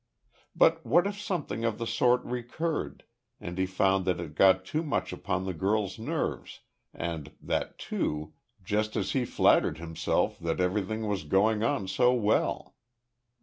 But what if something of the sort recurred, and he found that it got too much upon the girl's nerves, and that, too, just as he flattered himself that everything was going on so well?